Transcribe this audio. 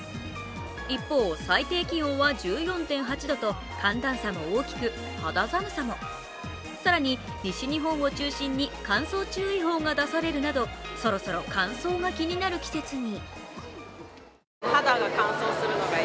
一方、最低気温は１４．８度と寒暖差も大きく肌寒さも、更に西日本を中心に乾燥注意報が出されるなど、そろそろ乾燥が気になる季節に。